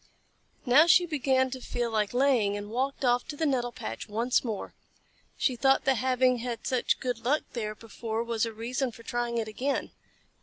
Now she began to feel like laying, and walked off to the nettle patch once more. She thought that having had such good luck there before was a reason for trying it again.